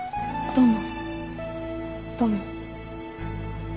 どうも。